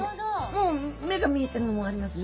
もう目が見えてるのもありますね。